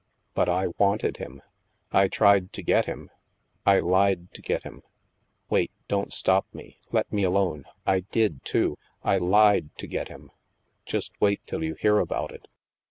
But I wanted him. I tried to get him. I lied to get him. Wait, don't stop me; let me alone. — I did, too, I lied to get him. Just wait till you hear about it."